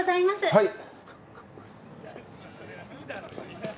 はい。